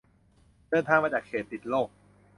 เดินทางมาจากเขตติดโรค